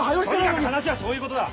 とにかく話はそういうことだ。